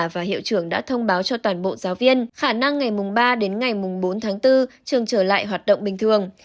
và hiệu trưởng đã thông báo cho toàn bộ giáo viên khả năng ngày mùng ba đến ngày mùng bốn tháng bốn trường trở lại hoạt động bình thường